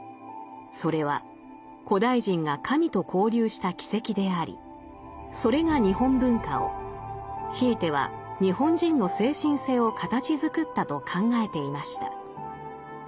それは古代人が神と交流した軌跡でありそれが日本文化をひいては日本人の精神性を形づくったと考えていました。